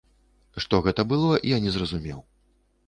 Што гэта было я не зразумеў.